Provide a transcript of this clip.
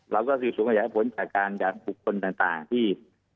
เราก็ฝีบสวนขยายผลจากการจากผู้คนต่างที่